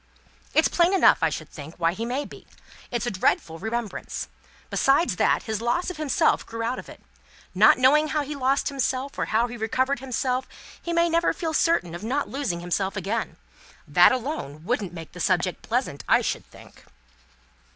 "It's plain enough, I should think, why he may be. It's a dreadful remembrance. Besides that, his loss of himself grew out of it. Not knowing how he lost himself, or how he recovered himself, he may never feel certain of not losing himself again. That alone wouldn't make the subject pleasant, I should think."